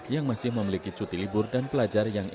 yang masih memiliki cuti libur dan pelajar yang ingin